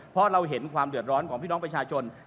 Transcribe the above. เพราะเราเห็นความเดือดร้อนของพี่น้องประชาชน